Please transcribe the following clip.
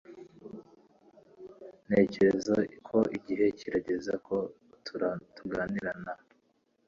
Ntekereza ko igihe kirageze ko tuganira na .